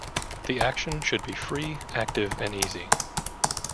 The action should be free, active and easy.